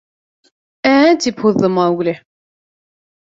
— Ә-ә? — тип һуҙҙы Маугли.